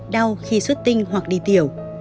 đau khi xuất tinh hoặc đi tiểu